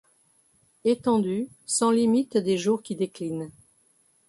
Étendue sans limite des jours qui déclinent.